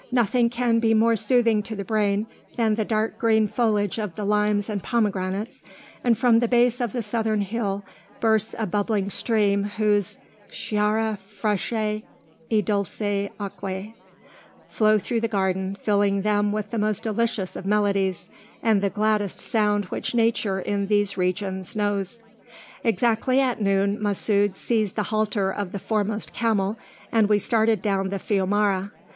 Nothing can be more soothing to the brain than the dark green foliage of the limes and pomegranates; and from the base of the southern hill bursts a bubbling stream, whose "Chiare, fresche e dolci acque" flow through the garden, filling them with the most delicious of melodies, and the gladdest sound which nature in these regions knows. Exactly at noon Masud seized the halter of the foremost camel, and we started down the fiumara.